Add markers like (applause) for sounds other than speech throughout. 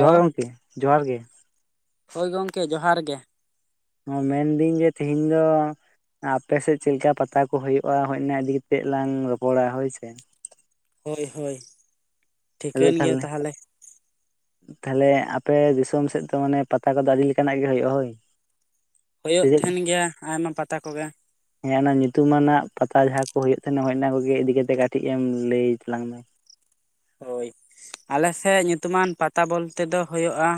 ᱡᱚᱦᱟᱨ ᱜᱚᱝᱠᱮ ᱡᱚᱦᱟᱨ ᱜᱮ᱾ ᱦᱳᱭ ᱜᱚᱝᱠᱮ ᱡᱚᱦᱟᱨ ᱜᱮ᱾ ᱚ ᱢᱮᱱ ᱫᱤᱹᱧ ᱡᱮ ᱛᱮᱦᱮᱧ ᱫᱚ ᱟᱯᱮ ᱥᱮᱫ ᱪᱮᱫ ᱞᱮᱠᱟ ᱯᱟᱛᱟ ᱠᱚ ᱦᱳᱭᱳᱜᱼᱟ ᱦᱳᱭ ᱚᱱᱟ ᱤᱫᱤ ᱠᱟᱛᱮᱜ ᱞᱟᱝ ᱨᱚᱯᱚᱲᱟ ᱦᱳᱭ ᱥᱮ᱾ ᱦᱳᱭ ᱦᱳᱭ ᱴᱷᱤᱠᱟᱹᱱ ᱜᱮᱭᱟ ᱛᱟᱦᱚᱞᱮ (unintelligible) ᱛᱟᱦᱞᱮ ᱟᱯᱮ ᱫᱤᱥᱚᱢ ᱥᱮᱫ ᱫᱚ ᱢᱟᱱᱮ ᱯᱟᱛᱟ ᱠᱚᱫᱚ ᱟᱹᱰᱤ ᱞᱮᱠᱟᱱᱟᱜ ᱜᱮ ᱦᱳᱭᱳᱜᱼᱟ ᱦᱳᱭ᱾ ᱥᱮ ᱦᱳᱭᱳᱜ ᱪᱮᱫ ᱛᱟᱦᱮᱱ ᱜᱮᱭᱟ, ᱟᱭᱢᱟ ᱯᱟᱛᱟ ᱠᱚᱜᱮ᱾ ᱦᱮᱸ ᱚᱱᱟ ᱧᱩᱛᱩᱢ ᱟᱱᱟᱜ ᱯᱟᱛᱟ ᱡᱟᱸᱦᱟ ᱠᱚ ᱦᱳᱭᱳᱜ ᱛᱟᱦᱮᱸᱱᱟ ᱚᱱᱟ ᱠᱚᱜᱮ ᱤᱫᱤ ᱠᱟᱛᱮᱜ ᱠᱟᱹᱴᱤᱡ ᱮᱢ ᱞᱟᱹᱭ ᱛᱟᱞᱟᱝ ᱢᱮ᱾ ᱦᱳᱭ ᱟᱞᱮ ᱥᱮᱫ ᱧᱩᱛᱩᱢ ᱟᱱ ᱯᱟᱛᱟ ᱵᱚᱞ ᱛᱮ ᱫᱚ ᱦᱳᱭᱳᱜᱼᱟ,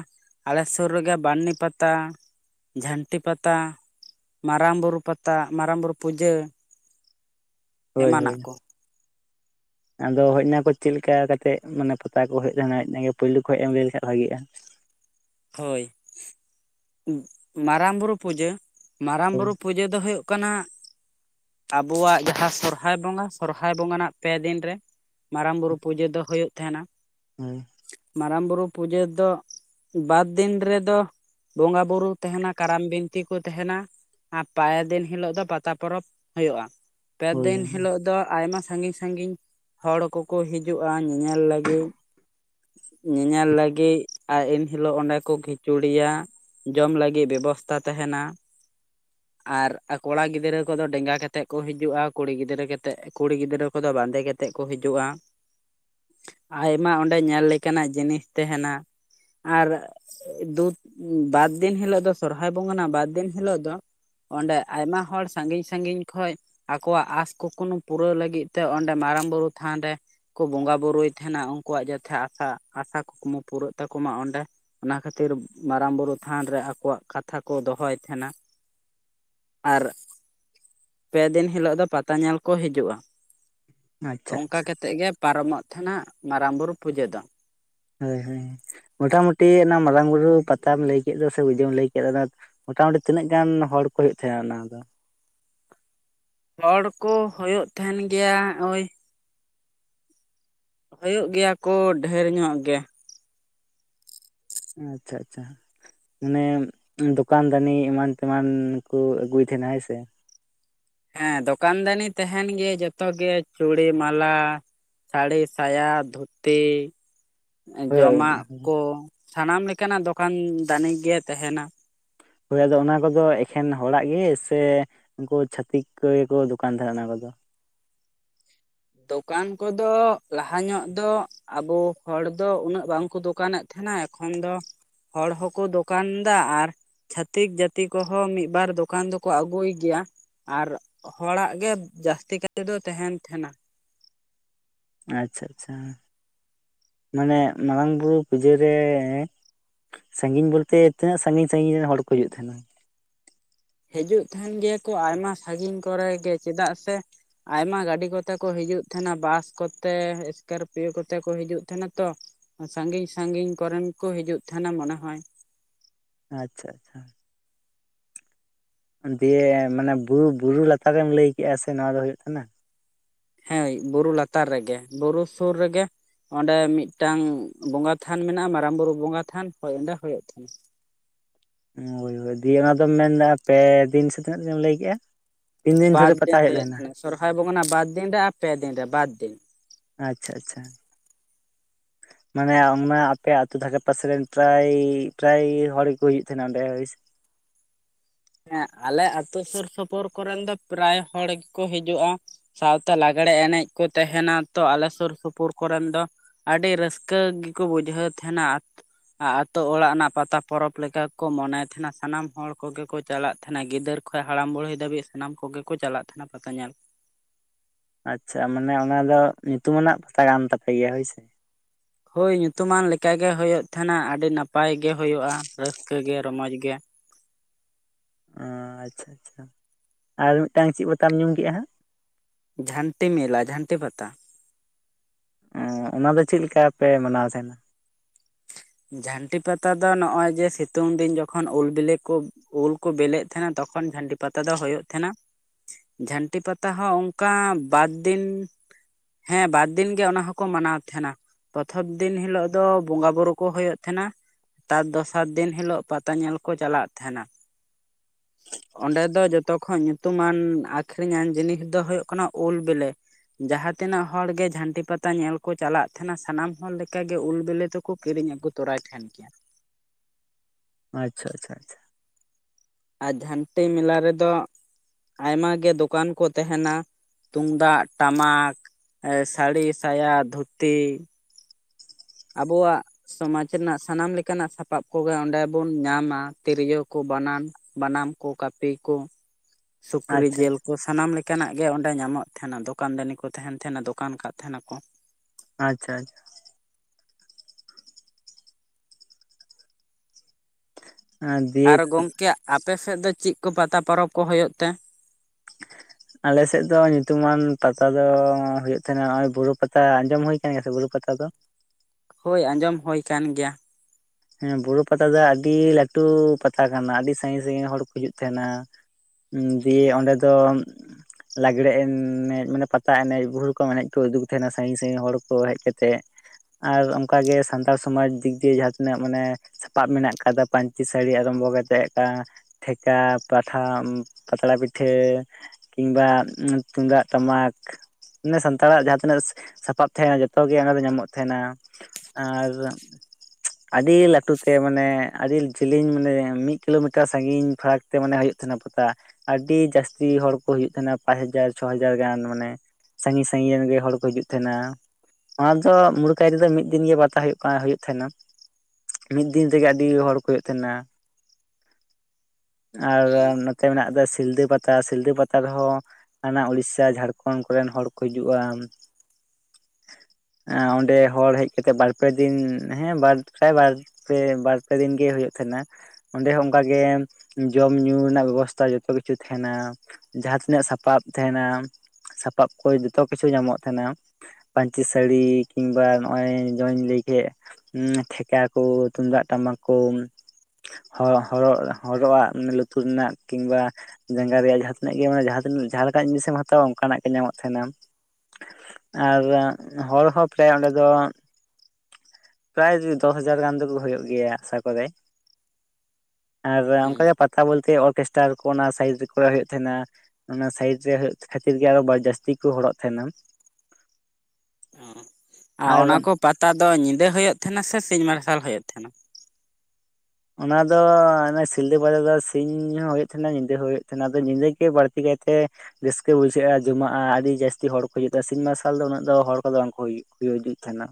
ᱟᱞᱮ ᱥᱩᱨ ᱨᱮᱜᱮ ᱵᱟᱹᱱᱤ ᱯᱟᱛᱟ ᱡᱷᱟᱹᱱᱴᱤ ᱯᱟᱛᱟ ᱢᱟᱨᱟᱝ ᱵᱩᱨᱩ ᱯᱟᱛᱟ ᱢᱟᱨᱟᱝ ᱵᱩᱨᱩ ᱯᱩᱡᱟᱹ᱾ ᱦᱳᱭ ᱮᱢᱟᱱᱟᱜ ᱦᱳᱭ ᱠᱚ ᱟᱫᱚ ᱦᱮᱡ ᱮᱱᱟᱠᱚ ᱪᱮᱫ ᱞᱮᱠᱟ ᱠᱟᱛᱮᱫ ᱢᱟᱱᱮ ᱯᱚᱛᱟ ᱠᱚ ᱦᱩᱭᱩᱜ ᱛᱟᱦᱮᱱᱟ ᱯᱳᱭᱞᱳ ᱠᱷᱚᱡ ᱮᱢ ᱞᱟᱹᱭ ᱞᱮᱠᱷᱟᱱ ᱵᱷᱟᱜᱤᱜ-ᱟ ᱦᱳᱭ ᱢᱟᱨᱟᱝ ᱵᱩᱨᱩ ᱯᱩᱡᱟᱹ ᱢᱟᱨᱟᱝ ᱦᱳᱭ ᱵᱩᱨᱩ ᱯᱩᱡᱟᱹ ᱫᱚ ᱦᱩᱭᱩᱜ ᱠᱟᱱᱟ ᱟᱵᱚᱣᱟᱜ ᱡᱟᱦᱟᱸ ᱥᱚᱨᱦᱟᱭ ᱵᱚᱸᱜᱟ ᱥᱚᱨᱦᱟᱭ ᱵᱚᱸᱜᱟ ᱨᱮᱱᱟᱜ ᱯᱮ ᱫᱤᱱ ᱨᱮ ᱢᱟᱨᱟᱝ ᱵᱩᱨᱩ ᱯᱩᱡᱟᱹ ᱫᱚ ᱦᱩᱭᱩᱜ ᱛᱟᱦᱮᱱᱟ ᱦᱳᱭ ᱢᱟᱨᱟᱝ ᱵᱩᱨᱩ ᱯᱩᱡᱟᱹ ᱨᱮ ᱫᱚ ᱵᱟᱨ ᱫᱤᱱ ᱨᱮᱫᱚ ᱵᱚᱸᱜᱟ ᱵᱩᱨᱩ ᱛᱟᱦᱮᱱᱟ ᱠᱟᱨᱟᱢ ᱵᱤᱱᱛᱤ ᱠᱚ ᱛᱟᱦᱮᱱᱟ ᱟᱨ ᱯᱮ ᱫᱤᱱ ᱦᱤᱞᱳᱜ ᱫᱚ ᱯᱟᱛᱟ ᱯᱚᱨᱚᱵᱽ ᱦᱩᱭᱩᱜ-ᱟ ᱯᱮ ᱦᱳᱭ ᱫᱤᱱ ᱦᱤᱞᱳᱜ ᱫᱚ ᱟᱭᱢᱟ ᱥᱟᱜᱤᱧ ᱥᱟᱜ ᱥᱟᱺᱜᱤᱧ ᱦᱚᱲ ᱠᱚᱠᱚ ᱦᱤᱡᱩᱜᱼᱟ ᱧᱮᱧᱮᱞ ᱞᱟᱹᱜᱤᱜ᱾ ᱧᱮᱧᱮᱞ ᱞᱟᱹᱜᱤᱫ ᱟᱭ ᱤᱱ ᱦᱤᱞᱳᱜ ᱚᱸᱰᱮ ᱠᱚ ᱠᱷᱤᱪᱩᱲᱤᱭᱟ ᱡᱚᱢ ᱞᱟᱹᱜᱤᱫ ᱵᱮᱵᱚᱥᱛᱟ ᱛᱟᱦᱮᱱᱟ ᱟᱨ ᱠᱚᱲᱟ ᱜᱤᱫᱽᱨᱟᱹ ᱠᱚᱫᱚ ᱰᱮᱸᱜᱟ ᱠᱟᱛᱮᱫ ᱠᱚ ᱦᱤᱡᱩᱜ-ᱟ ᱠᱩᱲᱤ ᱜᱤᱫᱽᱨᱟᱹ ᱠᱟᱛᱮᱫ ᱠᱩᱲᱤ ᱜᱤᱫᱽᱨᱟᱹ ᱠᱚᱫᱚ ᱵᱟᱸᱫᱮ ᱠᱟᱛᱮᱫ ᱠᱟᱛᱮᱫ ᱠᱚ ᱦᱤᱡᱩᱜ-ᱟ ᱟᱭᱢᱟ ᱚᱸᱰᱮ ᱧᱮᱞ ᱞᱮᱠᱟᱱᱟᱜ ᱡᱤᱱᱤᱥ ᱛᱟᱦᱮᱱᱟ ᱟᱨ ᱫᱩ ᱵᱟᱨ ᱫᱤᱱ ᱦᱤᱞᱳᱜ ᱫᱚ ᱥᱚᱨᱦᱟᱭ ᱵᱚᱸᱜᱟᱱᱟ ᱵᱟᱨᱫᱤᱱ ᱦᱤᱞᱳᱜ ᱫᱚ ᱚᱸᱰᱮ ᱟᱭᱢᱟ ᱦᱚᱲ ᱥᱟᱺᱜᱤᱧ ᱥᱟᱺᱜᱤᱧ ᱠᱷᱚᱱ ᱟᱠᱚᱣᱟᱜ ᱟᱸᱥ ᱠᱩᱠᱢᱩ ᱯᱩᱨᱟᱹᱣ ᱞᱟᱹᱜᱤᱫ ᱛᱮ ᱚᱸᱰᱮ ᱢᱟᱨᱟᱝ ᱵᱩᱨᱩ ᱛᱷᱟᱱ ᱨᱮ ᱠᱚ ᱵᱚᱸᱜᱟ ᱵᱩᱨᱩᱭ ᱛᱟᱦᱮᱱᱟ ᱩᱱᱠᱩᱣᱟᱜ ᱡᱟᱛᱮ ᱟᱥᱟ ᱟᱥᱟ ᱠᱩᱠᱢᱩ ᱯᱩᱨᱟᱹᱜ ᱛᱟᱠᱚ ᱢᱟ ᱚᱱᱟ ᱠᱷᱟᱹᱛᱤᱨ ᱢᱟᱨᱟᱝ ᱵᱩᱨᱩ ᱛᱷᱟᱱ ᱨᱮ ᱟᱠᱚᱣᱟᱜ ᱠᱟᱛᱷᱟ ᱠᱚ ᱫᱚᱦᱚᱭ ᱛᱟᱦᱮᱱᱟ ᱟᱨ ᱯᱮ ᱫᱤᱱ ᱦᱤᱞᱳᱜ ᱫᱚ ᱯᱟᱛᱟ ᱧᱮᱞ ᱠᱚ ᱦᱤᱡᱩᱜ-ᱟ ᱟᱪᱪᱷᱟ ᱟᱪᱪᱷᱟ ᱚᱱᱠᱟ ᱠᱟᱛᱮᱫ ᱜᱮ ᱯᱟᱨᱚᱢᱚᱜ ᱛᱟᱦᱮᱱᱟ ᱢᱟᱨᱟᱝ ᱵᱩᱨᱩ ᱯᱩᱡᱟᱹ ᱫᱚ ᱦᱳᱭ ᱦᱳᱭ ᱢᱚᱴᱟᱢᱩᱴᱤ ᱚᱱᱟ ᱢᱟᱨᱟᱝ ᱵᱩᱨᱩ ᱯᱟᱛᱟᱢ ᱞᱟᱹᱭ ᱠᱮᱫ ᱫᱚ ᱥᱮ ᱵᱩᱡᱷᱟᱹᱢ ᱞᱟᱹᱭ ᱠᱮᱫᱟ ᱢᱳᱴᱟᱟᱢᱩᱴᱤ ᱛᱤᱱᱟᱹᱜ ᱜᱟᱱ ᱦᱚᱲ ᱠᱚ ᱦᱳᱭᱜ ᱛᱟᱦᱮᱜ ᱚᱱᱟ ᱫᱚ ᱦᱚᱲ ᱠᱚ ᱦᱩᱭᱩᱜ ᱛᱟᱦᱮᱱ ᱜᱮᱭᱟ ᱳᱭ ᱦᱩᱭᱩᱜ ᱜᱮᱭᱟ ᱠᱚ ᱰᱷᱮᱨ ᱧᱚᱜ ᱜᱮ ᱟᱪᱪᱷᱟ ᱟᱪᱪᱷᱟ ᱢᱟᱱᱮ ᱫᱚᱠᱟᱱ ᱫᱟᱱᱤ ᱮᱢᱟᱱ ᱛᱮᱢᱟᱱ ᱠᱚ ᱟᱹᱜᱩᱭ ᱛᱟᱦᱮᱸᱱᱟ ᱦᱮᱥᱮ ᱦᱮᱸ ᱫᱚᱠᱟᱱ ᱫᱟᱱᱤ ᱛᱟᱦᱮᱱ ᱜᱮ ᱡᱚᱛᱚ ᱜᱮ ᱪᱩᱲᱤ ᱢᱟᱞᱟ ᱥᱟᱲᱤ ᱥᱟᱭᱟ ᱫᱷᱩᱛᱤ ᱦᱳᱭ ᱡᱚᱢᱟᱜ ᱠᱚ ᱥᱟᱱᱟᱢ ᱞᱮᱠᱟᱱᱟᱜ ᱫᱚᱠᱟᱱ ᱫᱟᱹᱱᱤ ᱜᱮ ᱛᱟᱦᱮᱱᱟ ᱦᱳᱭ ᱟᱫᱚ ᱚᱱᱟ ᱠᱚᱫᱚ ᱮᱠᱷᱮᱱ ᱦᱚᱲᱟᱜ ᱜᱮ ᱥᱮ ᱩᱱᱠᱩ ᱪᱷᱟᱟᱹᱛᱤᱠ ᱠᱚᱜᱮ ᱠᱚ ᱫᱚᱠᱟᱱ ᱛᱟᱦᱮᱸᱱᱟ ᱚᱱᱟ ᱠᱚᱫᱚ ᱫᱚᱠᱟᱱ ᱠᱚᱫᱚ ᱞᱟᱦᱟ ᱧᱚᱜ ᱫᱚ ᱟᱵᱚ ᱦᱚᱲ ᱫᱚ ᱩᱱᱟᱹᱜ ᱵᱟᱝᱠᱚ ᱫᱚᱠᱟᱱᱮᱫ ᱛᱟᱦᱮᱱᱟ ᱮᱠᱷᱚᱱ ᱫᱚ ᱦᱚᱲ ᱦᱚᱸᱠᱚ ᱫᱚᱠᱟᱱ ᱫᱟ ᱟᱨ ᱪᱷᱟᱛᱤᱠ ᱡᱟᱹᱛᱤ ᱠᱚᱦᱚ ᱢᱤᱫᱵᱟᱨ ᱫᱚᱠᱟᱱ ᱫᱚᱠᱚ ᱟᱹᱜᱩᱭ ᱜᱮᱭᱟ ᱟᱨ ᱦᱚᱲᱟᱜ ᱜᱮ ᱡᱟᱹᱥᱛᱤ ᱠᱟᱛᱮᱫ ᱫᱚ ᱛᱟᱦᱮᱱ ᱛᱟᱦᱮᱱᱟ ᱟᱪᱪᱷᱟ ᱟᱪᱪᱷᱟ ᱢᱟᱱᱮ ᱢᱟᱨᱟᱝ ᱵᱩᱨᱩ ᱯᱩᱡᱟᱹᱨᱮ ᱥᱟᱺᱜᱤᱧ ᱵᱚᱞᱛᱮ ᱛᱤᱱᱟᱹᱜ ᱥᱟᱺᱜᱤᱧ ᱥᱟᱺᱜᱤᱧ ᱨᱮᱱ ᱦᱚᱲ ᱠᱚ ᱦᱤᱡᱩᱜ ᱛᱟᱦᱮᱱᱟ ᱦᱤᱡᱩᱜ ᱛᱟᱦᱮᱱ ᱜᱮᱭᱟ ᱠᱚ ᱟᱭᱢᱟ ᱥᱟᱹᱜᱤᱧ ᱠᱚᱨᱮ ᱜᱮ ᱪᱮᱫᱟᱜ ᱥᱮ ᱟᱭᱢᱟ ᱜᱟᱹᱰᱤ ᱠᱚᱛᱮ ᱠᱚ ᱦᱤᱡᱩᱜ ᱛᱟᱦᱮᱱᱟ ᱵᱟᱥ ᱠᱚᱛᱮ ᱥᱠᱚᱨᱯᱤᱭᱳ ᱠᱚᱛᱮ ᱠᱚ ᱦᱤᱡᱩᱜ ᱛᱟᱦᱮᱱᱟ ᱛᱚ ᱥᱟᱺᱜᱤᱧ ᱥᱟᱺᱜᱤᱧ ᱠᱚᱨᱮᱱ ᱠᱚ ᱦᱤᱡᱩᱜ ᱛᱟᱦᱮᱱᱟ ᱢᱚᱱᱮ ᱦᱚᱭ ᱟᱪᱪᱷᱟ ᱟᱪᱪᱷᱟ ᱫᱤᱭᱮ ᱢᱟᱱᱮ ᱵᱩᱨᱩ ᱵᱩᱨᱩ ᱞᱟᱛᱟᱨᱮᱢ ᱞᱟᱹᱭ ᱠᱮᱜ-ᱟ ᱥᱮ ᱱᱚᱣᱟ ᱫᱚ ᱦᱩᱭᱩᱜ ᱠᱟᱱᱟ ᱦᱮ ᱵᱩᱨᱩ ᱞᱟᱛᱟᱨ ᱨᱮᱜᱮ ᱵᱩᱨᱩ ᱥᱩᱨ ᱨᱮᱜᱮ ᱚᱸᱰᱮ ᱢᱤᱫᱴᱟᱝ ᱵᱚᱸᱜᱟ ᱛᱷᱟᱱ ᱢᱮᱱᱟᱜ-ᱟ ᱢᱟᱨᱟᱝ ᱵᱩᱨᱩ ᱵᱚᱸᱜᱟ ᱛᱷᱟᱱ ᱦᱳᱭ ᱚᱸᱰᱮ ᱦᱩᱭᱩᱜ ᱛᱟᱦᱮᱱᱟ ᱳᱭ ᱳᱭ ᱫᱤᱭᱮ ᱚᱱᱟ ᱫᱚᱢ ᱢᱮᱱᱫᱟ ᱯᱮ ᱫᱤᱱ ᱥᱮ ᱛᱤᱱᱟᱹᱜ ᱫᱤᱱ ᱮᱢ ᱞᱟᱹᱭ ᱠᱮᱫᱮᱜ-ᱟ᱾ ᱛᱤᱱ ᱫᱤᱱ ᱵᱟᱨ ᱫᱷᱚᱨᱮ ᱯᱟᱛᱟ ᱦᱮᱡ ᱦᱩᱭᱩᱜ ᱞᱮᱱᱟ ᱛᱟᱦᱮᱱᱟ ᱥᱚᱨᱦᱟᱭ ᱵᱚᱜᱟ ᱠᱟᱱᱟ ᱵᱟᱨ ᱫᱤᱱ ᱨᱮ ᱟᱨ ᱯᱮ ᱫᱤᱱ ᱨᱮ ᱵᱟᱨ ᱫᱤᱱ ᱟᱪᱷᱟ ᱟᱪᱷᱟ ᱢᱟᱱᱮ ᱚᱱᱟ ᱟᱯᱮ ᱟᱛᱳ ᱫᱷᱟᱨᱮ ᱯᱟᱥᱮᱨᱮᱱ ᱯᱨᱟᱭ ᱯᱨᱟᱭ ᱦᱚᱲ ᱜᱮᱠᱚ ᱦᱩᱭᱩᱜ ᱛᱟᱦᱮᱱᱟ ᱚᱸᱰᱮ ᱦᱮᱸ ᱟᱞᱮ ᱟᱹᱛᱩ ᱥᱩᱨ ᱥᱩᱯᱩᱨ ᱠᱚᱨᱮᱱ ᱫᱚ ᱯᱨᱟᱭ ᱦᱚᱲ ᱜᱮᱠᱚ ᱦᱤᱡᱩᱜᱼᱟ ᱥᱟᱶᱛᱮ ᱞᱟᱜᱽᱲᱮ ᱮᱱᱮᱡ ᱠᱚ ᱛᱟᱦᱮᱱᱟ ᱛᱚ ᱟᱞᱮ ᱥᱩᱨ ᱥᱩᱯᱩᱨ ᱠᱚᱨᱮᱱ ᱫᱚ ᱟᱹᱰᱤ ᱨᱟᱹᱥᱠᱟᱹ ᱜᱮᱠᱚ ᱵᱩᱡᱷᱟᱹᱣ ᱛᱟᱦᱮᱸᱱᱟ ᱟᱛᱳ ᱚᱲᱟᱜ ᱨᱮᱱᱟᱜ ᱯᱟᱛᱟ ᱯᱚᱨᱚᱵᱽ ᱞᱮᱠᱟ ᱠᱚ ᱢᱟᱱᱮ ᱮᱫ ᱛᱟᱦᱮᱱᱟ ᱥᱟᱱᱟᱢ ᱦᱚᱲ ᱠᱚᱜᱮ ᱠᱚ ᱪᱟᱞᱟᱜ ᱛᱟᱦᱮᱱᱟ ᱜᱤᱫᱟᱹᱨ ᱠᱷᱚᱡ ᱦᱟᱲᱟᱢ ᱵᱩᱲᱦᱤ ᱫᱷᱟᱹᱵᱤᱡ ᱥᱟᱱᱟᱢ ᱠᱚᱜᱮ ᱠᱚ ᱪᱟᱞᱟᱜ ᱛᱟᱦᱮᱱᱟ ᱯᱟᱛᱟ ᱧᱮᱞ ᱟᱪᱷᱟ ᱢᱟᱱᱮ ᱚᱱᱟ ᱫᱚ ᱧᱩᱛᱩᱢᱟᱱᱟᱜ ᱯᱟᱛᱟ ᱠᱟᱱ ᱛᱟᱯᱮ ᱜᱮᱭᱟ ᱦᱳᱭ ᱥᱮ ᱦᱳᱭ ᱧᱩᱛᱩᱢᱟᱱ ᱞᱮᱠᱟ ᱜᱮ ᱦᱩᱭᱩᱜ ᱛᱟᱦᱮᱱᱟ ᱟᱹᱰᱤ ᱱᱟᱯᱟᱭ ᱜᱮ ᱦᱩᱭᱩᱜ-ᱟ ᱨᱟᱹᱥᱠᱟᱹ ᱜᱮ ᱨᱚᱢᱚᱡᱽ ᱜᱮ ᱚ ᱟᱪᱪᱷᱟ ᱟᱪᱪᱷᱟ ᱟᱨ ᱢᱤᱫᱴᱟᱝ ᱪᱮᱫ ᱵᱟᱛᱟᱢ ᱧᱩᱢ ᱠᱮᱫ-ᱟ ᱦᱟᱜ ᱡᱷᱟᱱᱴᱤ ᱢᱮᱞᱟ ᱡᱷᱟᱱᱴᱤ ᱯᱟᱛᱟ ᱮᱸ ᱚᱱᱟ ᱫᱚ ᱪᱮᱫ ᱞᱮᱠᱟᱹ ᱯᱮ ᱢᱟᱱᱟᱣ ᱛᱟᱦᱮᱱᱟ ᱡᱷᱟᱹᱱᱴᱤ ᱯᱟᱛᱟ ᱫᱚ ᱱᱚᱜ ᱚᱚᱭ ᱡᱮ ᱥᱤᱛᱩᱝ ᱫᱤᱱ ᱡᱚᱠᱷᱚᱱ ᱩᱞ ᱵᱤᱞᱤ ᱠᱚ ᱩᱞ ᱠᱚ ᱵᱞᱮᱫ ᱛᱟᱦᱮᱱᱟ ᱛᱚᱠᱷᱚᱱ ᱡᱷᱟᱹᱱᱴᱤ ᱯᱟᱛᱟ ᱫᱚᱳᱭᱳᱜ ᱛᱟᱦᱮ ᱱᱟ ᱡᱷᱟᱹᱱᱴᱤ ᱯᱟᱛᱟ ᱦᱚᱸ ᱚᱱᱠᱟ ᱵᱟᱨ ᱫᱤᱱ ᱦᱮᱸ ᱵᱟᱨ ᱫᱤᱱ ᱜᱮ ᱚᱱᱟ ᱦᱚᱸᱠᱚ ᱢᱟᱱᱟᱣ ᱛᱟᱦᱮᱸᱱᱟ ᱯᱚᱛᱷᱚᱢ ᱫᱤᱱ ᱦᱤᱞᱚᱜ ᱫᱚ ᱵᱚᱸᱜᱟ ᱵᱩᱨᱩ ᱠᱚ ᱦᱚᱭᱚᱜ ᱛᱟᱦᱮᱸᱱᱟ ᱛᱟᱨ ᱫᱚᱥᱟᱨ ᱫᱤᱱ ᱦᱤᱞᱳᱜ ᱯᱟᱛᱟ ᱧᱮᱞ ᱠᱚ ᱪᱟᱞᱟᱜ ᱛᱟᱦᱮᱸᱱᱟ (inaudible) ᱚᱸᱰᱮ ᱫᱚ ᱡᱚᱛᱚ ᱠᱷᱚᱡ ᱧᱩᱛᱩᱢᱟᱱ ᱟᱹᱷᱨᱤᱧᱟᱱ ᱡᱤᱱᱤᱥ ᱫᱚ ᱦᱩᱭᱩᱜ ᱠᱟᱱᱟ ᱩᱞ ᱵᱤᱞᱤ ᱡᱟᱦᱟᱸ ᱛᱤᱱᱟᱹᱜ ᱦᱚᱲ ᱜᱮ ᱡᱷᱟᱹᱱᱴᱤ ᱯᱟᱛᱟ ᱧᱮᱞ ᱠᱚ ᱪᱟᱞᱟᱜ ᱛᱟᱦᱮᱸᱱᱟ ᱥᱟᱱᱟᱢ ᱦᱚᱲᱞᱮᱠᱟᱜ ᱜᱮ ᱩᱞ ᱵᱤᱞᱤ ᱛᱮᱠᱚ ᱠᱤᱨᱤᱧ ᱟᱹᱜᱩ ᱛᱚᱨᱟᱭ ᱛᱟᱦᱮᱱ ᱟᱪᱷᱟ ᱟᱪᱷᱟ ᱟᱪᱷᱟ ᱟᱨ ᱡᱷᱟᱱᱴᱤ ᱢᱮᱞᱟ ᱨᱮᱫᱚ ᱟᱭᱢᱟ ᱜᱮ ᱫᱚᱠᱟᱱ ᱠᱚ ᱛᱟᱦᱮᱱᱟ ᱛᱩᱢᱫᱟᱜ ᱴᱟᱢᱟᱠ ᱥᱟᱹᱲᱤ ᱥᱟᱭᱟ ᱫᱷᱩᱛᱤ ᱟᱵᱚᱣᱟᱜ ᱥᱚᱢᱟᱡᱽ ᱨᱮᱱᱟᱜ ᱥᱟᱱᱟᱢ ᱞᱮᱠᱟᱱᱟᱜ ᱥᱟᱯᱟᱵ ᱠᱚᱜᱮ ᱚᱸᱰᱮ ᱵᱚᱱ ᱧᱟᱢᱟ ᱛᱤᱨᱭᱳ ᱠᱚ ᱵᱟᱱᱟᱢ ᱵᱟᱱᱟᱢ ᱠᱚ ᱠᱟᱹᱯᱤ ᱠᱚ ᱥᱩᱠᱨᱤ ᱟᱪᱪᱷᱟ ᱡᱤᱞ ᱠᱚ ᱥᱟᱱᱟᱢ ᱞᱮᱠᱟ ᱚᱱᱠᱟᱱᱟᱜ ᱜᱮ ᱚᱸᱰᱮ ᱧᱟᱢᱚᱜ ᱛᱟᱦᱮᱱᱟ ᱫᱚᱠᱟᱱ ᱫᱟᱱᱤ ᱠᱚ ᱛᱟᱦᱮᱱ ᱛᱟᱦᱮᱱᱟ ᱫᱚᱠᱟᱱᱠᱫ ᱛᱟᱦᱮᱱᱟᱠᱚ ᱟᱪᱷᱟ ᱟᱪᱷᱟ ᱟᱨ ᱜᱚᱝᱠᱮ ᱟᱯᱮ ᱥᱮᱫ ᱫᱚ ᱪᱮᱫ ᱠᱚ ᱯᱟᱛᱟ ᱯᱚᱨᱚᱵᱽ ᱠᱚ ᱦᱩᱭᱩᱜ ᱛᱮ (inaudible) ᱟᱞᱮᱥᱮᱫ ᱫᱚ ᱧᱩᱛᱩᱢᱟᱱ ᱯᱟᱛᱟ ᱫᱚ ᱦᱩᱭᱩᱜ ᱛᱟᱦᱮᱸᱱᱟ ᱱᱚᱜ ᱚᱚᱭ ᱵᱩᱨᱩ ᱯᱟᱛᱟ ᱟᱸᱡᱚᱢ ᱦᱩᱭ ᱠᱟᱱ ᱜᱮᱭᱟ ᱥᱮ ᱵᱩᱨᱩ ᱯᱟᱛᱟ ᱫᱚ ᱦᱳᱭ ᱟᱸᱡᱚᱢ ᱦᱳᱭ ᱠᱟᱱ ᱜᱮᱭᱟ ᱦᱮᱸ ᱵᱩᱨᱩ ᱯᱟᱛᱟ ᱫᱚ ᱟᱹᱰᱤ ᱞᱟᱹᱴᱩ ᱯᱟᱛᱟ ᱠᱟᱱᱟ ᱟᱹᱰᱤ ᱥᱟᱺᱜᱤᱧ ᱥᱟᱹᱜᱤᱧ ᱦᱚᱲ ᱠᱚ ᱦᱤᱭᱩᱜ ᱛᱟᱦᱮᱸᱱᱟ ᱫᱤᱭᱮ ᱚᱸᱰᱮ ᱫᱚ ᱞᱟᱜᱽᱲᱮ ᱮᱱᱮᱡ ᱢᱟᱱᱮ ᱯᱟᱛᱟ ᱮᱱᱮᱡ ᱵᱩᱨᱩ ᱠᱚ ᱮᱱᱮᱡ ᱠᱚ ᱩᱫᱩᱜ ᱠᱚ ᱛᱟᱦᱮᱱᱟ ᱥᱟᱺᱜᱤᱧ ᱥᱟᱺᱜᱤᱧ ᱦᱚᱲ ᱠᱚ ᱦᱮᱡ ᱠᱟ ᱠᱟᱛᱮᱫ ᱟᱨ ᱚᱱᱠᱟᱟᱜ ᱜᱮ ᱥᱟᱱᱛᱟᱲ ᱥᱚᱢᱟᱡᱽ ᱫᱤᱠ ᱫᱤᱭᱮ ᱡᱟᱦᱟᱸ ᱛᱤᱱᱟᱹᱜ ᱢᱟᱱᱮ ᱥᱟᱯᱟᱵ ᱢᱮᱱᱟᱜ ᱟᱠᱟᱫᱟ ᱯᱟᱟᱹᱧᱪᱤ ᱥᱟᱹᱲᱤ ᱟᱨᱟᱢᱵᱚ ᱠᱟᱛᱮᱫ ᱮᱸ ᱴᱷᱮᱠᱟ ᱯᱟᱴᱷᱟ ᱯᱟᱛᱲᱟ ᱯᱤᱴᱷᱟᱹ ᱠᱤᱝ ᱵᱟ ᱛᱩᱢᱫᱟᱜ ᱴᱟᱢᱟᱠ ᱢᱟᱱᱮ ᱥᱟᱱᱛᱟᱲᱟᱜ ᱡᱟᱦᱟᱸ ᱛᱤᱱᱟᱹᱜ ᱥᱟᱯᱟᱵ ᱛᱟᱦᱮᱱᱟ ᱡᱚᱛᱚ ᱜᱮ ᱚᱸᱰᱮ ᱫᱚ ᱧᱟᱢᱚᱜ ᱛᱟᱦᱮᱱᱟ ᱟᱨ ᱟᱹᱰᱤ ᱞᱟᱹᱴᱩ ᱛᱮ ᱢᱟᱱᱮ ᱟᱹᱰᱤ ᱡᱮᱞᱮᱧ ᱢᱟᱱᱮ ᱢᱤᱫ ᱠᱤᱞᱳᱢᱤᱴᱟᱨ ᱥᱟᱺᱜᱤᱧ ᱯᱷᱟᱨᱟᱠ ᱛᱮ ᱢᱟᱱᱮ ᱦᱩᱭᱩᱜ ᱛᱟᱦᱮᱱᱟ ᱯᱟᱛᱟ ᱟᱹᱰᱤ ᱡᱟᱹᱟᱥᱛᱤ ᱦᱚᱲ ᱠᱚ ᱦᱩᱭᱩᱜ ᱛᱟᱦᱮᱱᱟ ᱯᱟᱸᱪ ᱦᱟᱡᱟᱨ ᱪᱷᱚ ᱦᱟᱡᱟᱨ ᱜᱟᱱ ᱢᱟᱱᱮ ᱥᱟᱺᱜᱤᱧ ᱥᱟᱺᱜᱤᱧ ᱨᱮᱱ ᱜᱮ ᱦᱚᱲ ᱠᱚ ᱦᱤᱡᱩᱜ ᱛᱟᱦᱮᱱᱟ ᱚᱱᱟ ᱫᱚ ᱢᱩᱲ ᱠᱟᱭ ᱨᱮ ᱫᱚ ᱢᱤᱫ ᱫᱤᱱ ᱜᱮ ᱵᱟᱛᱟ ᱦᱩᱭᱩᱜ ᱦᱩᱭᱩᱜ ᱛᱟᱦᱮᱸᱱᱟ ᱢᱤᱫ ᱫᱤᱱ ᱛᱮᱜᱮ ᱟᱹᱰᱤ ᱦᱚᱲ ᱠᱚ ᱦᱩᱭᱩᱜ ᱛᱟᱦᱮᱱᱟ ᱟᱨ ᱱᱚᱛᱮ ᱢᱮᱱᱟᱜᱠᱟᱫᱟ ᱥᱤᱞᱫᱟᱹ ᱯᱟᱛᱟ ᱯᱟᱛᱟ ᱥᱤᱞᱫᱟᱹ ᱯᱟᱛᱟ ᱨᱮᱦᱚᱸ ᱦᱟᱱᱟ ᱩᱲᱤᱥᱟ ᱡᱷᱟᱲᱠᱷᱚᱸᱰ ᱠᱚᱨᱮᱱ ᱦᱚᱲ ᱠᱚ ᱦᱤᱡᱩᱜᱼᱟ ᱚᱸᱰᱮ ᱦᱚᱲ ᱦᱮᱡ ᱠᱟᱛᱮᱜ ᱵᱟᱨ ᱯᱮ ᱫᱤᱱ ᱦᱮᱸ ᱵᱟᱨ (unintelligible) ᱵᱟᱨ ᱯᱮ ᱵᱟᱨ ᱯᱮ ᱫᱤᱱ ᱜᱮ ᱦᱩᱭᱩᱜ ᱛᱟᱦᱮᱸᱱᱟ ᱚᱸᱰᱮ ᱦᱚᱸ ᱚᱱᱠᱟᱜᱮ ᱡᱚᱢ ᱧᱩᱩ ᱨᱮᱱᱟᱜ ᱵᱮᱵᱚᱥᱛᱟ ᱡᱚᱛᱚ ᱠᱤᱪᱷᱩ ᱛᱟᱦᱮᱱᱟ ᱡᱟᱦᱟᱸ ᱛᱤᱱᱟᱹᱜ ᱥᱟᱯᱟᱵ ᱛᱟᱦᱮᱱᱟ ᱥᱟᱯᱟᱯ ᱠᱚ ᱡᱚᱛᱚ ᱠᱤᱪᱷᱩ ᱧᱟᱢᱚᱜ ᱛᱟᱦᱮᱱᱟ ᱯᱟᱹᱧᱪᱤ ᱥᱟᱹᱲᱤ ᱠᱤᱝᱵᱟ ᱱᱚᱜᱼ ᱚᱭ ᱡᱚᱢᱧ ᱞᱟᱹᱭᱠᱮᱜ ᱴᱷᱮᱠᱟ ᱠᱚ ᱛᱩᱢᱫᱟᱜ ᱴᱟᱢᱟᱠ ᱠᱚ ᱦ ᱦ ᱦᱚᱨᱚᱜᱟᱜ ᱞᱩᱛᱩᱨ ᱨᱮᱱᱟᱜ ᱠᱤᱝᱵᱟ ᱡᱟᱸᱜᱟ ᱨᱮᱭᱟᱜ ᱡᱟᱦᱟᱸ ᱛᱤᱱᱟᱹᱜ ᱜᱮ ᱡᱟᱦᱟᱸ ᱛᱱᱟᱹᱜ ᱡᱟᱦᱟᱸ ᱞᱮᱠᱟᱱᱟᱜ ᱡᱤᱱᱤᱥᱮᱢ ᱦᱟᱛᱟᱣᱟ ᱚᱱᱠᱟᱱᱟᱜ ᱜᱮ ᱧᱟᱢᱚᱜ ᱛᱟᱦᱮᱱᱟ ᱟᱨ ᱦᱚᱲ ᱦᱚᱸ ᱯᱨᱟᱭ ᱚᱸᱰᱮ ᱫᱚ ᱯᱨᱟᱭ ᱫᱚᱥ ᱦᱟᱡᱟᱨ ᱜᱟᱱ ᱫᱚᱠᱚ ᱦᱩᱭᱩᱜ ᱜᱮᱭᱟ ᱟᱥᱟ ᱠᱚᱨᱮ ᱟᱨ ᱦᱮᱸ ᱚᱱᱠᱟᱜᱮ ᱯᱟᱛᱟ ᱵᱚᱞᱛᱮ ᱛᱮ ᱚᱨᱠᱮᱥᱴᱟᱨ ᱠᱚ ᱚᱱᱟ ᱥᱟᱭᱤᱰ ᱠᱚᱨᱮ ᱦᱩᱭᱩᱜ ᱛᱟᱦᱮᱱᱟ ᱚᱱᱟ ᱥᱟᱭᱤᱰ ᱨᱮ ᱦᱳᱭᱳᱜ ᱠᱷᱟᱹᱛᱤᱨ ᱜᱮ ᱟᱨᱚ ᱡᱟᱹᱥᱛᱤ ᱠᱚ ᱦᱚᱲᱚᱜ ᱛᱟᱦᱮᱱᱟ ᱟᱨ ᱚᱱᱟᱠᱚ ᱯᱟᱛᱟ ᱫᱚ ᱧᱤᱫᱟᱹ ᱦᱩᱭᱩᱜ ᱛᱟᱦᱮᱸᱱᱟ ᱥᱮ ᱥᱤᱧ ᱢᱟᱨᱥᱟᱞ ᱦᱩᱭᱩᱜ ᱛᱟᱦᱮᱸᱱᱟ ᱚᱱᱟ ᱫᱚ ᱥᱤᱞᱫᱟᱹ ᱯᱟᱛᱟ ᱫᱚ ᱥᱤᱧ ᱦᱚᱸ ᱦᱩᱭᱩᱜ ᱛᱟᱦᱮᱱᱟ ᱧᱤᱫᱟᱹ ᱦᱚᱸ ᱦᱩᱭᱩᱜ ᱛᱟᱦᱮᱱᱟ ᱟᱫᱚ ᱧᱤᱫᱟᱹ ᱜᱮ ᱵᱟᱹᱲᱛᱤ ᱠᱟᱭᱛᱮ ᱨᱟᱹᱥᱠᱟᱹ ᱵᱩᱡᱷᱟᱹᱜᱼᱟ ᱡᱚᱢᱟᱜᱼᱟ ᱟᱹᱰᱤ ᱡᱟᱹᱥᱛᱤ ᱦᱚᱲ ᱠᱚ ᱡᱚᱛᱚ ᱥᱤᱧ ᱢᱟᱨᱥᱟᱞ ᱫᱚ ᱩᱱᱟᱹᱜ ᱫᱚ ᱦᱚᱲ ᱠᱚᱫᱚ ᱵᱟᱝ ᱠᱚ ᱦᱩᱭᱩᱜ ᱦᱤᱡᱩᱜ ᱛᱟᱦᱮᱱᱟ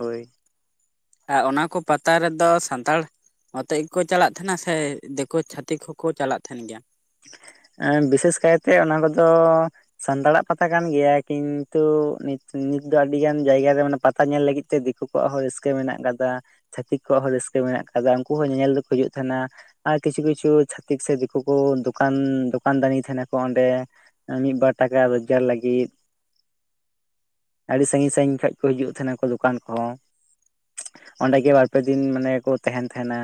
ᱦᱳᱭ ᱟᱨ ᱚᱱᱟ ᱠᱚ ᱯᱟᱛᱟ ᱨᱮᱫᱚ ᱥᱟᱱᱛᱷᱟᱲ ᱚᱛᱮᱜ ᱜᱮᱠᱚ ᱪᱟᱞᱟᱜ ᱛᱟᱦᱮᱱᱟ ᱥᱮ ᱫᱤᱠᱩ ᱪᱷᱟᱛᱤᱠ ᱦᱚᱸᱠᱚ ᱪᱟᱞᱟᱜ ᱛᱟᱦᱮᱱ ᱜᱮᱭᱟ ᱮ ᱵᱤᱥᱮᱥ ᱠᱟᱭᱛᱮ ᱚᱱᱟ ᱠᱚᱫᱚ ᱥᱟᱱᱛᱟᱲᱟᱜ ᱯᱟᱛᱟ ᱠᱟᱱ ᱜᱮᱭᱟ ᱠᱤᱱᱛᱩ ᱱᱤᱛ ᱫᱚ ᱟᱹᱰᱤ ᱜᱟᱱ ᱡᱟᱭᱜᱟ ᱨᱮ ᱢᱟᱱᱮ ᱯᱟᱛᱟ ᱧᱮᱞ ᱞᱟᱹᱜᱤᱫ ᱛᱮ ᱫᱤ ᱦᱩᱹᱠᱩ ᱠᱚᱣᱟᱜ ᱦᱚᱸ ᱨᱟᱹᱥᱠᱟᱹ ᱢᱮᱱᱟᱜ ᱟᱠᱟᱫᱟ ᱪᱷᱟᱹᱛᱤᱠ ᱠᱚᱣᱟᱜ ᱦᱚᱸ ᱨᱟᱹᱥᱠᱟᱹ ᱢᱮᱱᱟᱜ ᱟᱠᱟᱫᱟ ᱩᱱᱠᱩ ᱦᱚᱸ ᱧᱮᱧᱮᱞ ᱫᱚᱠᱚ ᱦᱤᱡᱩᱜ ᱛᱟᱦᱮᱸᱱᱟ ᱟᱨ ᱠᱪᱩ ᱠᱪᱩ ᱪᱷᱟᱛᱤᱠ ᱥᱮ ᱫᱤᱠᱩᱠᱚᱼ ᱫᱚᱠᱟᱱ ᱫᱚᱠᱟᱱ ᱫᱟᱱᱤ ᱛᱟᱦᱮᱱᱟᱠᱚ ᱚᱸᱰᱮ ᱢᱤᱫ ᱵᱟᱨ ᱴᱟᱠᱟ ᱨᱳᱡᱽᱜᱟᱨ ᱞᱟᱹᱜᱤᱫ ᱟᱹᱰᱤ ᱥᱟᱺᱜᱤᱧ ᱥᱟᱺᱜᱤᱧ ᱠᱷᱚᱡ ᱠᱚ ᱦᱤᱡᱩᱜ ᱛᱟᱦᱮᱱᱟ ᱠᱚ ᱫᱚᱠᱟᱱ ᱠᱚ ᱚᱸᱰᱮ ᱜᱮᱮ ᱵᱟᱨᱯᱮ ᱫᱤᱱ ᱢᱟᱱᱮ ᱠᱚ ᱛᱟᱦᱮᱱ ᱛᱟᱦᱮᱱᱟ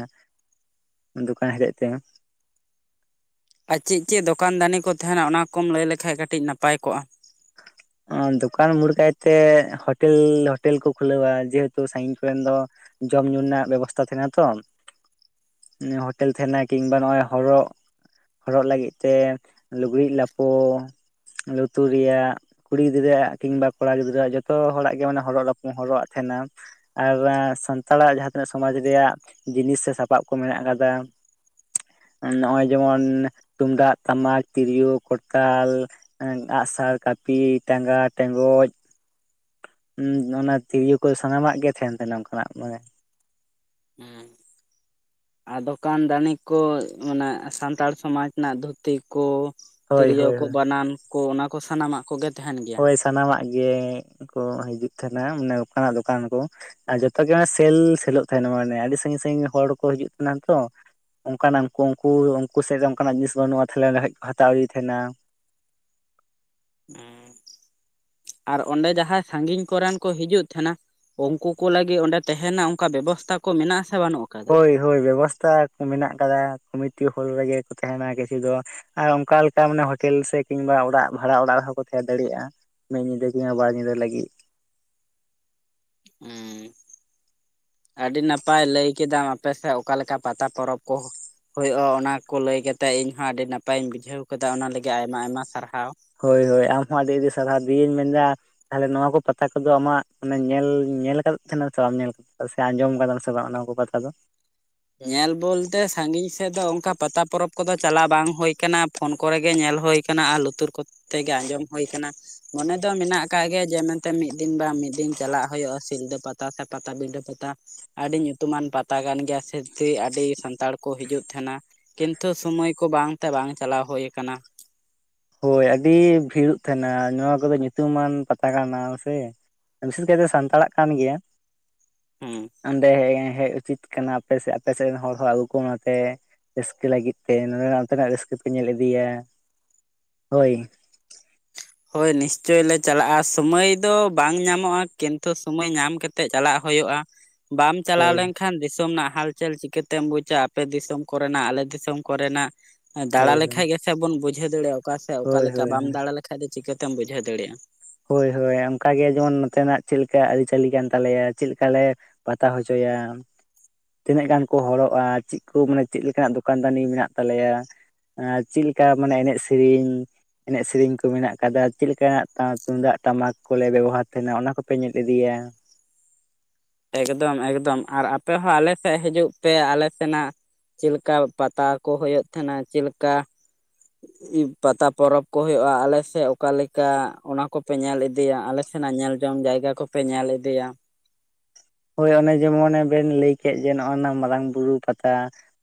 ᱫᱚᱠᱟᱱ ᱦᱤᱞᱮᱡ ᱛᱮ ᱟᱨ ᱪᱮᱫ ᱪᱮᱫ ᱫᱚᱠᱟᱱ ᱫᱟᱱᱤ ᱠᱚ ᱛᱟᱦᱮᱱᱟ ᱚᱱᱟᱠᱢ ᱞᱟᱹᱭ ᱞᱮᱠᱷᱷᱟᱡ ᱠᱟᱹᱴᱤᱡ ᱱᱟᱯᱟᱭ ᱠᱚᱜᱼᱟ (inaudible) ᱫᱚᱠᱟᱱ ᱢᱳᱲ ᱠᱟᱭᱛᱮ ᱦᱳᱴᱮᱞ ᱦᱳᱴᱮᱞ ᱠᱚ ᱠᱷᱩᱞᱟᱹᱣᱟ ᱡᱮᱦᱮᱛᱩ ᱥᱟᱺᱜᱤᱧ ᱠᱚᱨᱮᱱ ᱫᱚ ᱡᱚᱢ ᱧᱩ ᱨᱮᱱᱟᱜ ᱵᱮᱵᱚᱥᱛᱟ ᱛᱟᱦᱮᱱᱟ ᱛᱚ ᱦᱳᱴᱮᱞ ᱛᱟᱦᱮᱱᱟ ᱠᱤᱝᱵᱟ ᱱᱚᱜᱼᱚᱭ ᱦᱚᱨᱚᱜ ᱦᱚᱨᱚᱜ ᱞᱟᱹᱜᱤᱫ ᱛᱮ ᱞᱩᱜᱽᱲᱤᱡ ᱞᱟᱯᱚ ᱞᱩᱛᱩᱨ ᱨᱮᱭᱟᱜ ᱠᱩᱲᱤ ᱜᱤᱫᱽᱨᱟᱹ ᱠᱤᱝᱵᱟ ᱠᱚᱲᱟ ᱜᱤᱫᱽᱨᱟᱹᱣᱟᱜ ᱡᱚᱛᱚ ᱦᱚᱲᱟᱜ ᱜᱮ ᱢᱮ ᱦᱚᱜ ᱦᱚᱨᱚᱜ ᱟᱜ ᱛᱟᱦᱮᱱᱟ ᱟᱨ ᱥᱟᱱᱛᱟᱲᱟᱜ ᱡᱟᱦᱟᱸ ᱛᱤᱱᱟᱹᱜ ᱥᱚᱢᱟᱡᱽ ᱨᱮᱭᱟᱜ ᱡᱤᱱᱤᱥ ᱥᱮ ᱥᱟᱯᱟᱵ ᱠᱚ ᱢᱮᱱᱟᱜ ᱠᱟᱫᱟ ᱱᱚᱜᱼᱚᱭ ᱡᱮᱢᱚᱱ ᱛᱩᱢᱫᱟᱜ ᱴᱟᱢᱟᱠ ᱛᱤᱨᱭᱳ ᱠᱚᱨᱛᱟᱞ ᱟᱸᱜᱼᱥᱟᱨ ᱠᱟᱹᱯᱤ ᱴᱟᱸᱜᱟ ᱴᱮᱸᱜᱚᱡ ᱚᱱᱟ ᱛᱤᱨᱭᱳ ᱠᱚ ᱥᱟᱱᱟᱢᱟᱜ ᱜᱮ ᱛᱟᱦᱮᱱ ᱛᱟᱦᱮᱱᱟ ᱚᱱᱠᱟᱱᱟᱜ ᱢᱟᱱᱮ (inaudible) ᱟᱨ ᱫᱚᱠᱟᱱ ᱫᱟᱱᱤ ᱠᱚ ᱢᱟᱱᱮ ᱥᱟᱱᱛᱟᱲ ᱥᱚᱢᱟᱡᱽ ᱨᱮᱱᱟᱜ ᱫᱷᱩᱛᱤ ᱠᱚ ᱦᱳᱭ ᱛᱤᱨᱭᱳ ᱦᱳᱭ ᱠᱚ ᱦᱳᱭ ᱵᱟᱱᱟᱱ ᱠᱚ ᱚᱱᱟᱠᱚ ᱥᱟᱱᱟᱢᱟᱜ ᱠᱚᱜᱮ ᱛᱟᱦᱮᱱ ᱜᱮᱭᱟ ᱦᱳᱭ ᱥᱟᱱᱟᱢᱟᱜ ᱜᱮᱠᱚ ᱦᱤᱡᱩᱜ ᱛᱟᱦᱮᱱᱟ ᱢᱟᱱᱮ ᱚᱠᱟᱱᱟᱜ ᱫᱚᱠᱟᱱ ᱠᱚ ᱟᱨ ᱡᱚᱛᱚ ᱜᱮ ᱢᱟᱱᱮ ᱥᱮᱞ ᱥᱮᱞᱚᱜ ᱛᱟᱦᱮᱱᱟ ᱢᱟᱱᱮ ᱟᱹᱰᱤ ᱥᱟᱺᱜᱤᱧ ᱥᱟᱺᱜᱤᱧ ᱦᱚᱲ ᱠᱚ ᱦᱤᱡᱩᱜ ᱠᱟᱱᱟ ᱛᱚ ᱚᱱᱠᱟᱱᱟᱜ ᱩᱱ ᱩᱱᱠᱩ ᱩᱱᱠᱩ ᱥᱮᱫ ᱨᱮ ᱚᱱᱠᱟᱱᱟᱜ ᱡᱤᱱᱤᱥ ᱵᱟᱹᱱᱩᱜᱼᱟ ᱛᱟᱦᱚᱞᱮ ᱨᱮᱰᱮᱫ ᱠᱚ ᱦᱟᱛᱟᱣ ᱤᱫᱤ ᱛᱟᱦᱮᱱᱟ ᱮᱸᱜ ᱟᱨ ᱚᱸᱰᱮ ᱡᱟᱸᱦᱟᱭ ᱥᱟᱺᱜᱤᱧ ᱠᱚᱨᱮᱱ ᱠᱚ ᱦᱤᱡᱩᱜ ᱛᱟᱸᱦᱮᱱᱟ ᱩᱱᱠᱩ ᱠᱚ ᱞᱟᱹᱜᱤᱫ ᱚᱸᱰᱮ ᱛᱟᱦᱮᱱᱟ ᱚᱱᱠᱟ ᱵᱮᱵᱚᱥᱛᱟ ᱠᱚ ᱢᱮᱱᱟᱜᱥᱮ ᱵᱟᱹᱱᱩᱜ-ᱟ? ᱦᱳᱭ ᱦᱳᱭ ᱵᱮᱵᱚᱥᱛᱟ ᱠᱚ ᱢᱮᱱᱟᱜ ᱟᱠᱟᱫᱟ ᱠᱚᱢᱤᱴᱤ ᱦᱚᱞ ᱨᱮᱜᱮ ᱠᱚ ᱛᱟᱦᱮᱱᱟ ᱠᱤᱪᱷᱩ ᱫᱚ, ᱟᱨ ᱚᱱᱠᱟ ᱞᱮᱠᱟ ᱢᱟᱱᱮ ᱦᱳᱴᱮᱞ ᱥᱮ ᱠᱤᱝᱵᱟ ᱚᱲᱟᱜ ᱵᱷᱟᱲᱟ ᱚᱲᱟᱜ ᱨᱮᱦᱚᱸᱠᱚ ᱛᱟᱦᱮᱸ ᱫᱟᱲᱮᱜᱼᱟ ᱾ ᱢᱤᱫ ᱧᱤᱫᱟᱹ ᱠᱤ ᱵᱟᱨ ᱧᱤᱫᱟᱹ ᱞᱟᱹᱜᱤᱫ, (inaudible) ᱟᱹᱰᱤ ᱱᱟᱯᱟᱭ ᱞᱟᱹᱭ ᱠᱮᱫᱟᱢ ᱟᱯᱮᱥᱮᱫ ᱚᱠᱟᱞᱮᱠᱟ ᱯᱟᱛᱟ ᱯᱚᱨᱚᱵᱽ ᱠᱚ ᱦᱳᱭᱳᱜᱼᱟ ᱾ ᱚᱱᱟ ᱠᱚ ᱞᱟᱹᱭ ᱠᱟᱛᱮᱜ ᱤᱧ ᱦᱚᱸ ᱟᱹᱰᱤ ᱱᱟᱯᱟᱭ ᱤᱧ ᱵᱩᱡᱷᱟᱹᱣ ᱟᱠᱟᱫᱟ ᱚᱱᱟ ᱞᱟᱹᱜᱤᱫ ᱟᱭᱢᱟ ᱟᱭᱢᱟ ᱥᱟᱨᱦᱟᱣ ᱾ ᱦᱳᱭ ᱦᱳᱭ ᱟᱢᱦᱚᱸ ᱟᱹᱰᱤ ᱟᱹᱰᱤ ᱥᱟᱨᱦᱟᱣ ᱫᱤᱭᱮᱧ ᱢᱮᱱᱫᱟ ᱛᱟᱦᱚᱞᱮ ᱱᱚᱣᱟ ᱠᱚ ᱯᱟᱛᱟ ᱠᱚᱫᱚ ᱟᱢᱟᱜ ᱧᱮᱞ ᱧᱮᱞ ᱟᱠᱟᱫ ᱛᱟᱦᱮᱱᱟ ᱥᱮ ᱵᱟᱢ ᱧᱮᱞ ᱥᱮ ᱟᱸᱡᱚᱢ ᱟᱠᱟᱫᱟᱢ ᱥᱮ ᱵᱟᱝ ᱚᱱᱟ ᱠᱚ ᱠᱟᱛᱷᱟ ᱫᱚ, ᱧᱮᱞ ᱵᱚᱞᱛᱮ ᱥᱟᱺᱜᱤᱧ ᱥᱮᱫ ᱫᱚ ᱚᱱᱠᱟ ᱯᱟᱛᱟ ᱯᱚᱨᱚᱵᱽ ᱠᱚᱫᱚ ᱪᱟᱞᱟᱜ ᱵᱟᱝ ᱦᱩᱭ ᱟᱠᱟᱱᱟ, ᱯᱷᱳᱱ ᱠᱚᱨᱮ ᱜᱮ ᱧᱮᱞ ᱦᱳᱭ ᱟᱠᱟᱱᱟ ᱾ ᱟᱨ ᱞᱩᱛᱩᱨ ᱠᱚᱛᱮᱜ ᱜᱮ ᱟᱸᱡᱚᱢ ᱦᱳᱭ ᱟᱠᱟᱱᱟ ᱾ ᱢᱚᱱᱮ ᱫᱚ ᱢᱮᱱᱟᱜ ᱟᱠᱟᱜ ᱜᱮ ᱡᱮ ᱢᱮᱱᱛᱮ ᱢᱤᱫ ᱫᱤᱱ ᱵᱟᱝ ᱢᱤᱫ ᱫᱤᱱ ᱪᱟᱞᱟᱜ ᱦᱩᱭᱩᱜᱼᱟ ᱥᱤᱞᱫᱟᱹ ᱯᱟᱛᱟ ᱥᱮ ᱯᱟᱴᱟᱵᱤᱫᱟᱹ ᱯᱟᱛᱟ -ᱼ ᱟᱹᱰᱤ ᱧᱩᱛᱩᱢᱟᱱ ᱯᱟᱛᱟ ᱠᱟᱱ ᱜᱮᱭᱟ ᱥᱮ, ᱛᱮ ᱟᱹᱰᱤ ᱥᱟᱱᱛᱟᱲ ᱠᱚ ᱦᱤᱡᱩᱜ ᱛᱟᱦᱮᱱᱟ ᱠᱤᱱᱛᱩ ᱥᱩᱢᱚᱭ ᱠᱚ ᱵᱟᱝ ᱛᱮ ᱵᱟᱝ ᱪᱟᱞᱟᱣ ᱦᱳᱭ ᱟᱠᱟᱱᱟ ᱾ ᱦᱳᱭ ᱟᱹᱰᱤ ᱵᱷᱤᱲᱚᱜ ᱛᱟᱦᱮᱱᱟ ᱾ ᱱᱚᱣᱟ ᱠᱚᱫᱚ ᱧᱩᱛᱩᱢᱟᱱ ᱯᱟᱛᱟ ᱠᱟᱱᱟ ᱥᱮ, ᱵᱤᱥᱮᱥ ᱠᱟᱭᱛᱮ ᱥᱟᱱᱛᱟᱲᱟᱜ ᱠᱟᱱ ᱜᱮᱭᱟ ᱦᱮᱸ ᱾ ᱚᱸᱰᱮ ᱦᱮᱡ ᱩᱪᱤᱛ ᱠᱟᱱᱟ ᱾ ᱟᱯᱮ ᱟᱯᱮ ᱥᱮᱫ ᱨᱮᱱ ᱦᱚᱲ ᱦᱚᱸ ᱟᱹᱜᱩ ᱠᱚᱢ ᱱᱚᱛᱮ, ᱨᱟᱹᱥᱠᱟᱹ ᱞᱟᱹᱜᱤᱫ ᱛᱮ ᱱᱚᱸᱰᱮᱱᱟᱜ ᱚᱱᱛᱮᱱᱟᱜ ᱨᱟᱹᱥᱠᱟᱹ ᱯᱮ ᱧᱮᱞ ᱤᱫᱤᱭᱟ ᱾ ᱦᱳᱭ, ᱦᱳᱭ ᱱᱤᱥᱪᱚᱭ ᱞᱮ ᱪᱟᱞᱟᱜᱼᱟ, ᱥᱳᱢᱟᱹᱭ ᱫᱚ ᱵᱟᱝ ᱧᱟᱢᱚᱜᱼᱟ ᱠᱤᱱᱛᱩ ᱥᱳᱢᱚᱭ ᱧᱟᱢ ᱠᱟᱛ ᱛᱮ ᱪᱟᱞᱟᱜ ᱦᱩᱭᱩᱜᱼᱟ ᱾ ᱵᱟᱢ ᱪᱟᱞᱟᱣ ᱦᱳᱭ ᱞᱮᱱᱠᱷᱟ ᱠᱷᱟᱱ ᱫᱤᱥᱚᱢ ᱨᱮᱱᱟᱜ ᱦᱟᱞᱪᱟᱞ ᱪᱤᱠᱟᱹᱛᱮᱢ ᱵᱩᱡᱟ ᱟᱯᱮ ᱫᱤᱥᱚᱢ ᱠᱚᱨᱮᱱᱟᱜ ᱟᱞᱮ ᱫᱤᱥᱚᱢ ᱠᱚᱨᱮᱱᱟᱜ ᱫᱟᱲᱟ ᱦᱳᱭ ᱞᱮᱠᱷᱟᱡ ᱜᱮᱥᱮ ᱵᱚᱱ ᱵᱩᱡᱷᱟᱹᱣ ᱫᱟᱲᱮᱭᱟᱜᱼᱟ ᱚᱠᱟᱥᱮᱡ ᱚᱠᱟᱮ ᱦᱳᱭ ᱞᱮᱠᱟ ᱦᱳᱭ ᱵᱟᱢ ᱫᱟᱲᱟ ᱞᱮᱠᱷᱟᱡ ᱪᱤᱠᱟᱹᱛᱮᱢ ᱵᱩᱡᱷᱟᱹᱣ ᱫᱟᱲᱮᱭᱟᱜᱼᱟ ᱾ ᱦᱳᱭ ᱦᱳᱭ ᱚᱱᱠᱟᱜᱮ ᱡᱮᱢᱚᱱ ᱱᱚᱛᱮᱱᱟᱜ ᱪᱮᱫ ᱞᱮᱠᱟ ᱟᱹᱨᱤᱪᱟᱹᱞᱤ ᱠᱟᱱ ᱛᱟᱞᱮᱭᱟ ᱪᱮᱫᱠᱟ ᱞᱮ ᱯᱟᱛᱟ ᱦᱚᱪᱚᱭᱟ ᱾ ᱛᱤᱱᱟᱹᱜ ᱜᱟᱱ ᱠᱚ ᱦᱚᱲᱚᱨᱚᱜᱼᱟ ᱾ ᱪᱮᱜ ᱠᱚ ᱢᱟᱱᱮ ᱪᱮᱫ ᱞᱮᱠᱟᱱᱟᱜ ᱫᱚᱠᱟᱱ ᱫᱟᱱᱤ ᱢᱮᱱᱟᱜ ᱛᱟᱞᱮᱭᱟ ᱾ ᱪᱮᱫ ᱞᱮᱠᱟ ᱢᱟᱱᱮ ᱮᱱᱮᱡ ᱥᱮᱨᱮᱧ ᱮᱱᱮᱡ ᱥᱮᱨᱮᱧ ᱠᱚ ᱢᱮᱱᱟᱜ ᱟᱠᱟᱫᱟ ᱪᱮᱫ ᱞᱮᱠᱟᱱᱟᱜ ᱛᱟᱸᱠ ᱛᱩᱢᱫᱟᱜ ᱴᱟᱢᱟᱠ ᱠᱚᱞᱮ ᱵᱮᱵᱚᱦᱟᱨ ᱛᱟᱦᱮᱱᱟ ᱚᱱᱟ ᱠᱚᱯᱮ ᱧᱮᱞ ᱤᱫᱤᱭᱟ ᱾ ᱮᱠᱫᱚᱢ ᱮᱠᱫᱚᱢ ᱟᱨ ᱟᱯᱮ ᱦᱚᱸ ᱟᱞᱮ ᱥᱮᱫ ᱦᱤᱡᱩᱜ ᱯᱮ ᱟᱞᱮ ᱥᱮᱱᱟᱜ, ᱪᱮᱫ ᱞᱮᱠᱟ ᱯᱟᱛᱟ ᱠᱚ ᱦᱩᱭᱩᱜ ᱛᱟᱦᱮᱱᱟ ᱪᱮᱫ ᱞᱮᱠᱟ, (inaudible) ᱯᱟᱛᱟ ᱯᱚᱨᱚᱵᱽ ᱠᱚ ᱦᱳᱭᱳᱜᱼᱟ ᱾ ᱟᱞᱮᱥᱮᱫ ᱚᱠᱟᱞᱮᱠᱟ ᱚᱱᱟ ᱠᱚᱯᱮ ᱧᱮᱞ ᱤᱫᱤᱭᱟ ᱟᱞᱮ, ᱥᱮᱱᱟᱜ ᱧᱮᱞ ᱡᱚᱝ ᱡᱟᱭᱜᱟ ᱠᱚᱯᱮ ᱧᱮᱞ ᱤᱫᱤᱭᱟ ᱾ ᱦᱳᱭ ᱚᱱᱮ ᱡᱮᱢᱚᱱ ᱵᱮᱱ ᱞᱟᱹᱭ ᱠᱮᱫ ᱡᱮ ᱱᱚᱜᱼᱚ ᱱᱚᱣᱟ ᱢᱟᱨᱟᱝ ᱵᱩᱨᱩ ᱯᱟᱛᱟ,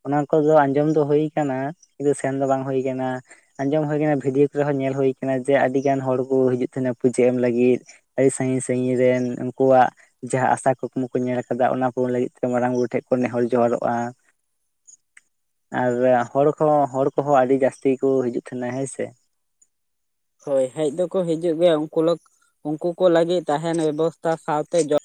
ᱚᱱᱟ ᱠᱚᱫᱚ ᱟᱸᱡᱚᱢ ᱫᱚ ᱦᱳᱭ ᱠᱟᱱᱟ ᱠᱤᱱᱛᱩ ᱥᱮᱱ ᱫᱚ ᱵᱟᱝ ᱦᱳᱭ ᱟᱠᱟᱱᱟ ᱾ ᱟᱸᱡᱚᱢ ᱦᱳᱭ ᱟᱠᱟᱱᱟ ᱵᱷᱤᱰᱭᱳ ᱠᱚᱨᱮᱦᱚᱸ ᱧᱮᱞ ᱦᱳᱭ ᱠᱟᱱᱟ ᱡᱮ ᱟᱹᱰᱤ ᱜᱟᱱ ᱦᱚᱲ ᱠᱚ ᱦᱤᱡᱩᱜ ᱛᱟᱦᱮᱱᱟ ᱯᱩᱡᱟᱹ ᱮᱢ ᱞᱟᱹᱜᱤᱫ, ᱟᱹᱰᱤ ᱥᱟᱺᱜᱤᱧ ᱥᱟᱺᱜᱤᱧ ᱨᱮᱱ ᱩᱱᱠᱩᱣᱟᱜ ᱡᱟᱸᱦᱟ ᱟᱥᱟ ᱠᱚ ᱠᱩᱠᱢᱩ ᱠᱚ ᱧᱮᱞ ᱟᱠᱟᱫᱟ ᱚᱱᱟ ᱠᱩ ᱞᱟᱹᱜᱤᱫ ᱛᱮ ᱢᱟᱨᱟᱝ ᱵᱩᱨᱩ ᱴᱷᱮᱱ ᱠᱚ ᱱᱮᱦᱚᱨ ᱡᱚᱦᱟᱨᱚᱜᱼᱟ ᱾ ᱟᱨ ᱦᱚᱲ ᱠᱚ ᱦᱚᱲ ᱠᱚᱦᱚᱸ ᱟᱹᱰᱤ ᱡᱟᱹᱟᱥᱛᱤ ᱠᱚ ᱦᱤᱡᱩᱜ ᱛᱟᱦᱮᱱᱟ ᱦᱮᱸ ᱥᱮ, ᱦᱳᱭ ᱦᱮᱡ ᱫᱚᱠᱚ ᱦᱤᱡᱩᱜ ᱜᱮᱭᱟ ᱩᱱᱠᱩ ᱞᱳᱠ ᱩᱱᱠᱩ ᱠᱚ ᱞᱟᱹᱜᱤᱫ ᱛᱟᱦᱮᱱ ᱵᱮᱵᱚᱥᱛᱟ ᱥᱟᱶᱛᱮ ᱡᱚᱢ,